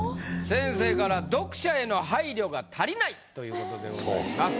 先生から「読者への配慮が足りない」ということでございます。